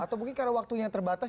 atau mungkin karena waktunya terbatas